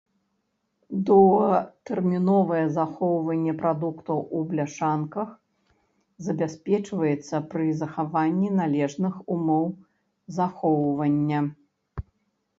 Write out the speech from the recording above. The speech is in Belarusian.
Доўгатэрміновае захоўванне прадуктаў у бляшанках забяспечваецца пры захаванні належных умоў захоўвання.